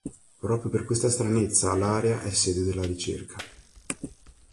Proprio per questa stranezza l'area è sede della ricerca.